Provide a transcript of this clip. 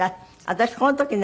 私この時ね